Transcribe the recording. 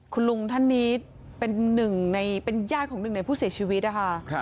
คุณลุงท่านนี้เป็นญาติของหนึ่งในผู้เสียชีวิตค่ะ